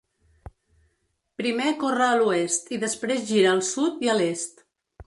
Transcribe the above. Primer corre a l'oest i després gira al sud i a l'est.